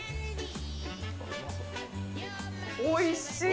おいしい。